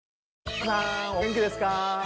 皆さんお元気ですか？